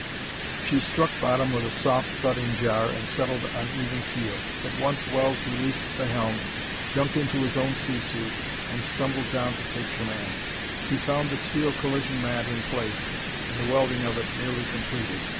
She struck bottom with a soft, thudding jar, and settled on even keel. At once Wells released the helm, jumped into his own sea suit and stumbled down to take command. He found the steel collision mat in place, and the welding of it nearly completed.